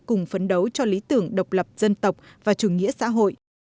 cùng phấn đấu cho lý tưởng độc lập dân tộc và chủ nghĩa xã hội